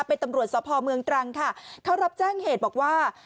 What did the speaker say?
เป็นตำรวจสพเมืองตรังค่ะเขารับแจ้งเหตุบอกว่า